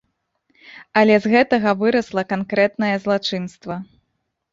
Але з гэтага вырасла канкрэтнае злачынства.